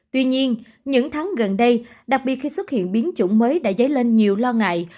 tuy nhiên những tháng gần đây đặc biệt khi xuất hiện biến chủng mới đã dấy lên nhiều lo ngại